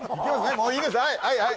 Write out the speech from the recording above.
もういいですはい